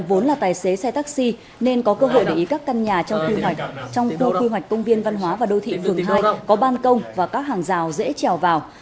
vốn là tài xế xe taxi nên có cơ hội để ý các căn nhà trong khu quy hoạch công viên văn hóa và đô thị vườn thai có ban công và các hàng rào dễ trèo vào